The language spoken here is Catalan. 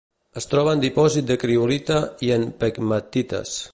Es troba en dipòsit de criolita i en pegmatites.